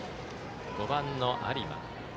５番の有馬。